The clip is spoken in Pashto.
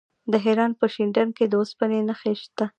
د هرات په شینډنډ کې د اوسپنې نښې شته.